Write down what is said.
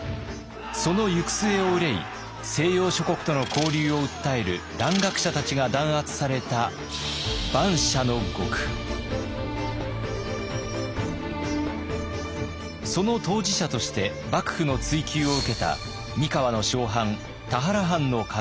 その行く末を憂い西洋諸国との交流を訴える蘭学者たちが弾圧されたその当事者として幕府の追及を受けた三河の小藩田原藩の家老。